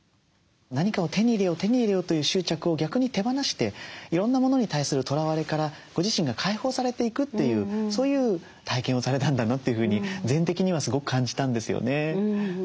何かを手に入れよう手に入れようという執着を逆に手放していろんなものに対するとらわれからご自身が解放されていくというそういう体験をされたんだなというふうに禅的にはすごく感じたんですよね。